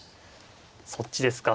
そっちですか。